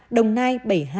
đồng nai bảy mươi hai